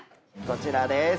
こちらです。